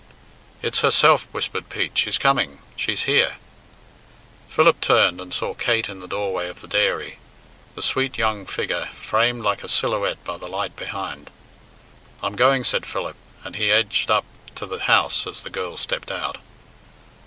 "It's herself," whispered Pete. "She's coming! She's here!" Philip turned, and saw Kate in the doorway of the dairy, the sweet young figure framed like a silhouette by the light behind. "I'm going!" said Philip, and he edged up to the house as the girl stepped out.